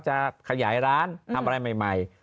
จะขยายร้านทำอะไรใหม่